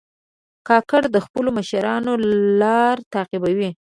کاکړ د خپلو مشرانو لار تعقیبوي.